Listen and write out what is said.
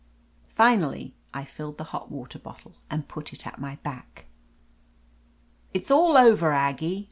Finally I filled the hot water bottle and put it at my back. "It's all over, Aggie